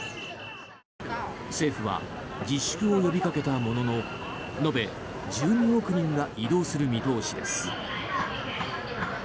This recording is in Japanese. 政府は自粛を呼びかけたものの延べ１２億人が移動する見通しです。